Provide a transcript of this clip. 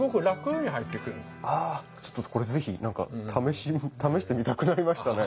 ちょっとこれぜひ試してみたくなりましたね。